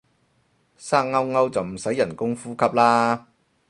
生勾勾就唔使人工呼吸啦